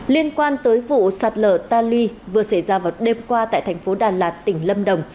liên quan tới vụ sạt lở ta luy vừa xảy ra vào đêm qua tại thành phố đà lạt tỉnh lâm đồng